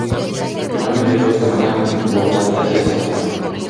Finalmente foi esta mañá nun voo chárter desde Santiago.